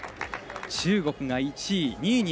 中国が１位。